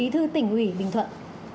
thứ tỉnh ủy bình thuận